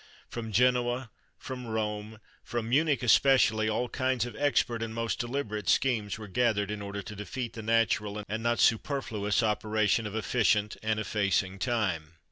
From Genoa, from Rome, from Munich especially, all kinds of expert and most deliberate schemes were gathered in order to defeat the natural and not superfluous operation of efficient and effacing time.